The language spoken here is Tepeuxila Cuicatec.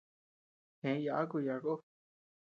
Gë yàku yââ kó.